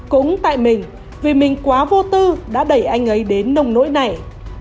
cũng tại mình vì mình quá vô tư đã đẩy anh ấy đến nông nỗi này